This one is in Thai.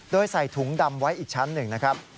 โดยใส่ถุงดำไว้อีกชั้นหนึ่งนะครับ